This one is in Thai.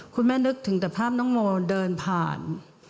นึกถึงแต่ภาพน้องโมเดินผ่าน